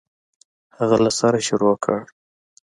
هغه له سره شروع کړ.